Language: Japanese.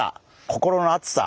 心の熱さ。